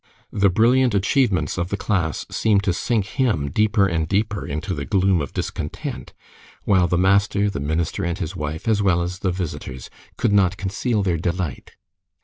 The brilliant achievements of the class seemed to sink him deeper and deeper into the gloom of discontent, while the master, the minister and his wife, as well as the visitors, could not conceal their delight.